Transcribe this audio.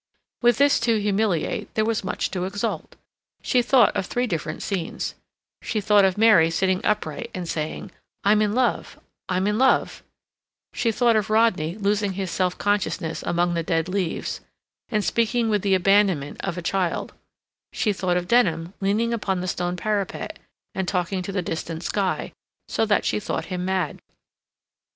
With this to humiliate there was much to exalt. She thought of three different scenes; she thought of Mary sitting upright and saying, "I'm in love—I'm in love"; she thought of Rodney losing his self consciousness among the dead leaves, and speaking with the abandonment of a child; she thought of Denham leaning upon the stone parapet and talking to the distant sky, so that she thought him mad.